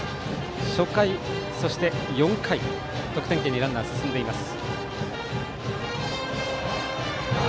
初回とこの４回得点圏にランナーを進めています。